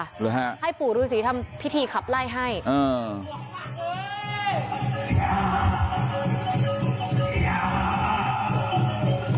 หรือฮะให้ปู่ฤษีทำพิธีขับไล่ให้อ่า